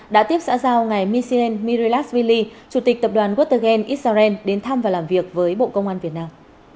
đã tiếp xã giao ngày mission mirilas vili chủ tịch tập đoàn watergen israel đến thăm và làm việc với bộ công an việt nam